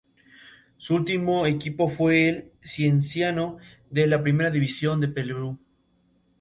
Catulo dedicó toda su poesía a una amada a la que llamaba Lesbia.